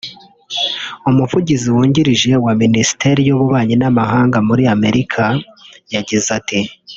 umuvugizi wungirije wa Ministeri y’ububanyi n’amahanga muri Amerika yagize ait